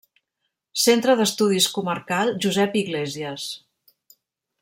Centre d’Estudis Comarcal Josep Iglésies.